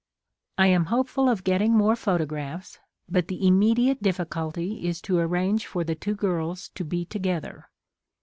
I am hopeful of getting more photographs, but the immediate difficulty is to arrange for the two girls to be together.